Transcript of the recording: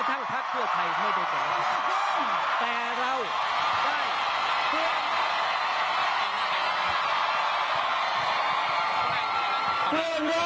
เอามาเนี่ยหัวไว้เลยอะ